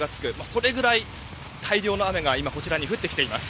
それぐらい大量の雨が今こちらに降ってきています。